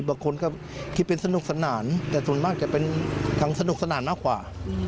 บางคนก็คิดเป็นสนุกสนานแต่ส่วนมากจะเป็นทางสนุกสนานมากกว่า